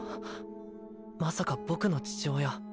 まさか僕の父親？